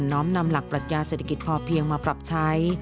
้อมนำหลักปรัชญาเศรษฐกิจพอเพียงมาปรับใช้